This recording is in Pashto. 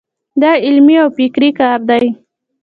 دا علمي او فکري کار دی.